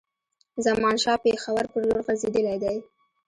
زمانشاه پېښور پر لور خوځېدلی دی.